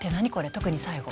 特に最後。